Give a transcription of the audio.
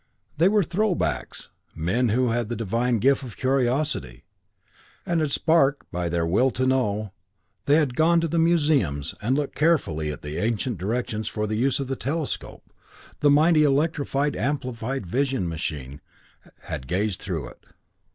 They were throwbacks, men who had the divine gift of curiosity; and sparked by their will to know, they had gone to the museums and looked carefully at the ancient directions for the use of the telectroscope, the mighty electrically amplified vision machine, had gazed through it.